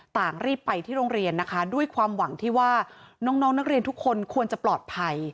ต่างรีบไปที่โรงเรียนนะคะด้วยความหวังที่ว่าน้องนักเรียนทุกคนควรจะปลอดภัย